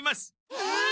えっ？